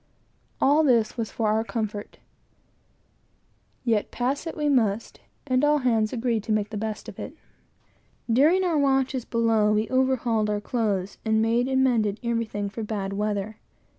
All this was for our comfort; yet pass it we must; and all hands agreed to make the best of it. During our watches below we overhauled our clothes, and made and mended everything for bad weather.